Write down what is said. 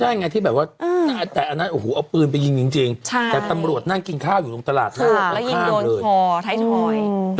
รู้ไหมที่แบบว่าเอาปืนไปยิงจริงตำรวจนั่งกินข้าวอยู่ตลาดพ้นข้างเลย